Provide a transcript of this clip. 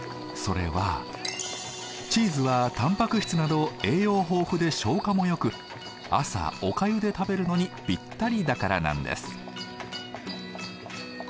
それはチーズはタンパク質など栄養豊富で消化もよく朝おかゆで食べるのにぴったりだからなんです。